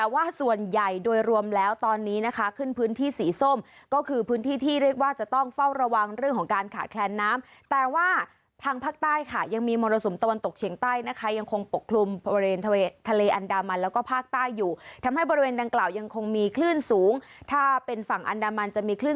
ว่าส่วนใหญ่โดยรวมแล้วตอนนี้นะคะขึ้นพื้นที่สีส้มก็คือพื้นที่ที่เรียกว่าจะต้องเฝ้าระวังเรื่องของการขาดแคลนน้ำแต่ว่าทางภาคใต้ค่ะยังมีมรสุมตะวันตกเฉียงใต้นะคะยังคงปกคลุมบริเวณทะเลอันดามันแล้วก็ภาคใต้อยู่ทำให้บริเวณดังกล่าวยังคงมีคลื่นสูงถ้าเป็นฝั่งอันดามันจะมีคลื่น